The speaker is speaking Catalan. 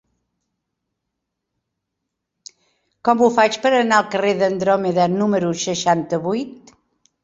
Com ho faig per anar al carrer d'Andròmeda número seixanta-vuit?